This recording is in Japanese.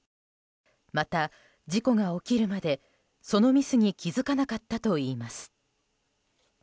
また、事故が起きるまでそのミスに気付かなかったといいます。